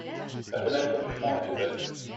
La fenêtre du fond est ouverte.